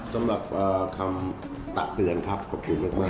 สำหรับคำตักเตือนครับขอบคุณมาก